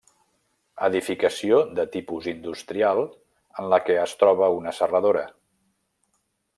Edificació de tipus industrial en la que es troba una serradora.